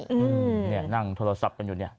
นี่นั่งโทรศัพท์กันอยู่นี่